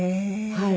はい。